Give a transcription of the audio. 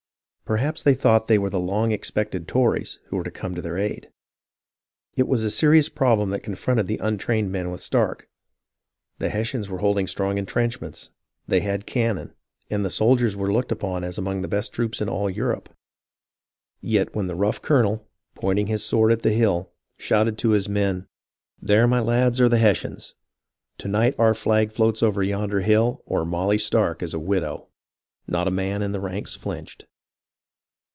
Perhaps they thought they were the long expected Tories who were to come to their aid. It was a serious problem that confronted the untrained men with Stark. The Hessians were holding strong en trenchments, they had cannon, and the soldiers were looked upon as among the best troops of all Europe ; yet when the rough colonel, pointing his sword at the hill, shouted to his men :" There, my lads, are the Hessians ! To night our flag floats over yonder hill or Molly Stark is a widow," not a man in the ranks flinched.